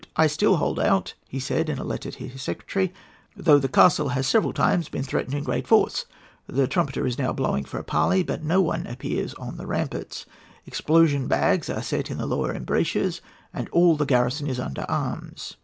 "I still hold out," he said in a letter to his secretary, "though the castle has several times been threatened in great force. The trumpeter is now blowing for a parley, but no one appears on the ramparts. Explosion bags are set in the lower embrasures, and all the garrison is under arms."